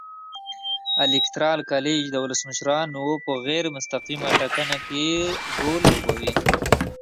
الېکترال کالج د ولسمشرانو په غیر مستقیمه ټاکنه کې رول لوبوي.